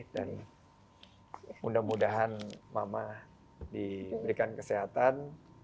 dan mudah mudahan mama diberikan kesehatan